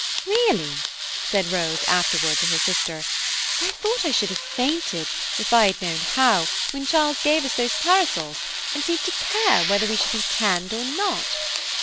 "Really," said Rose afterwards to her sister, "I thought I should have fainted, if I had known how, when Charles gave us those parasols, and seemed to care whether we should be tanned or not.